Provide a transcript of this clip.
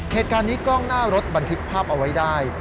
เหตุการณ์นี้กล้องหน้ารถบันทึกภาพเอาไว้ได้